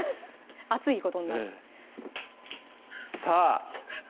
熱いことになるさぁ！